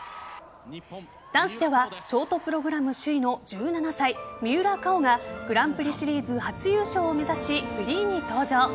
男子ではショートプログラム首位の１７歳三浦佳生がグランプリシリーズ初優勝を目指しフリーに登場。